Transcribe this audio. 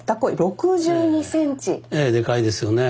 ええでかいですよね。